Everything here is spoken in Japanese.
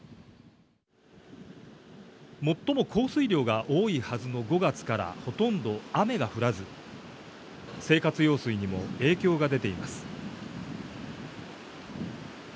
最も降水量が多いはずの５月からほとんど雨が降らず生活用水にも影響が出ています。